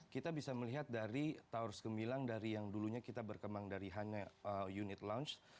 kita bisa melihat dari taurus gemilang dari yang dulunya kita berkembang dari unit launch